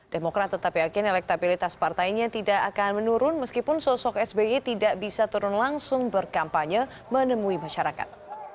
demokrat tetap yakin elektabilitas partainya tidak akan menurun meskipun sosok sbi tidak bisa turun langsung berkampanye menemui masyarakat